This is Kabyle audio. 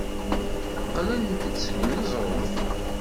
Qqlent-d seg uneẓruf.